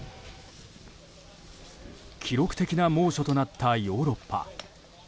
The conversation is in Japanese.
記録的な猛暑となったヨーロッパ。